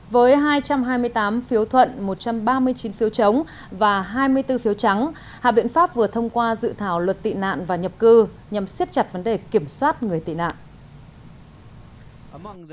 với hai trăm hai mươi tám phiếu thuận một trăm ba mươi chín phiếu chống và hai mươi bốn phiếu trắng hạ viện pháp vừa thông qua dự thảo luật tị nạn và nhập cư nhằm siết chặt vấn đề kiểm soát người tị nạn